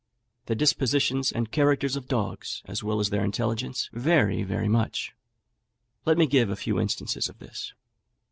The dispositions and characters of dogs, as well as their intelligence, vary very much. Let me give a few instances of this.